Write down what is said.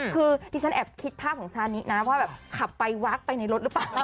คือที่ฉันแอบคิดภาพของซานินะว่าแบบขับไปวักไปในรถหรือเปล่า